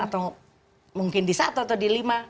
atau mungkin di satu atau di lima